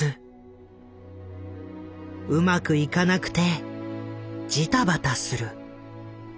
うまくいかなくてじたばたする。